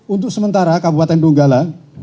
untuk sementara kabupaten tunggala